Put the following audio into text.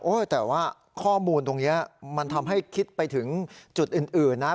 แต่ว่าข้อมูลตรงนี้มันทำให้คิดไปถึงจุดอื่นนะ